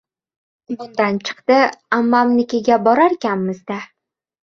Bundan chiqdi, amma- mnikiga borarkanmiz-da.